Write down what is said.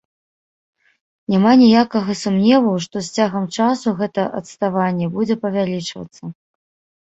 Няма ніякага сумневу, што з цягам часу гэта адставанне будзе павялічвацца.